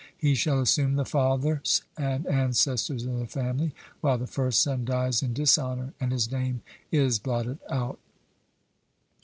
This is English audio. He shall assume the fathers and ancestors of the family, while the first son dies in dishonour and his name is blotted out.